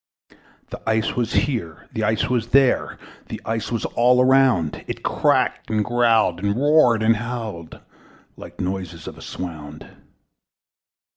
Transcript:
The ice was here, the ice was there, The ice was all around: It cracked and growled, and roared and howled, Like noises in a swound!